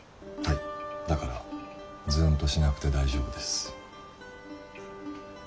はいだからズンとしなくて大丈夫です。